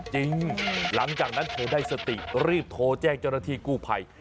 หลังจากนั้นเธอได้สติรีบโทรแจ้งเจ้าหน้าที่กู้ภัย